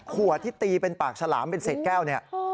ขวดที่ตีเป็นปากฉลามเป็นเศษแก้วเนี่ย